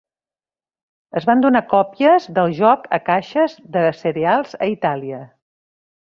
Es van donar còpies del joc a caixes de cereals a Itàlia.